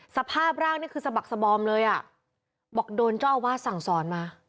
สภาพร่างนี่คือสะบักสบอมเลยอ่ะบอกโดนเจ้าอาวาสสั่งสอนมา